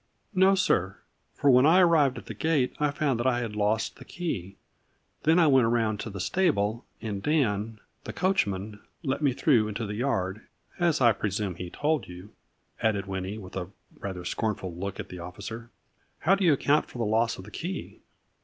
"No, sir; for when I arrived at the gate I found that I had lost the key. Then I went around to the stable and Dan, the coachman, let me through into the yard, as I presume he told you," added Winnie with a rather scornful look at the officer. " How do you account for the loss of the key